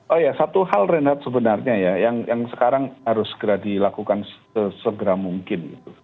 oh iya satu hal renat sebenarnya yang sekarang harus dilakukan segera mungkin